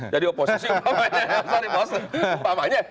jadi oposisi umpamanya